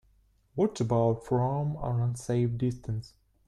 What about from an unsafe distance?